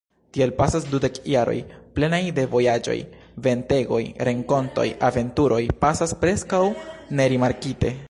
Tiel pasas dudek jaroj, plenaj de vojaĝoj, ventegoj, renkontoj, aventuroj, pasas preskaŭ nerimarkite.